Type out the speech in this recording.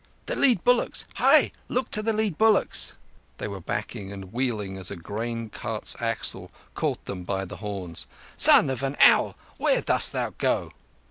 "The lead bullocks! Hai! Look to the lead bullocks!" They were backing and wheeling as a grain cart's axle caught them by the horns. "Son of an owl, where dost thou go?"